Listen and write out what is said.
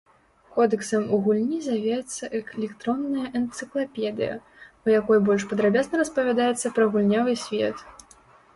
Кодэксам у гульні завецца электронная энцыклапедыя, у якой больш падрабязна распавядаецца пра гульнявы свет.